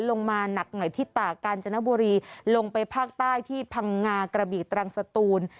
ลงมาหนักหน่อยที่ตากาญจนบุรีลงไปภาคใต้ที่พังงากระบีตรังสตูน